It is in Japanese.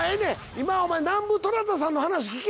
今はおまえ南部虎弾さんの話聞け！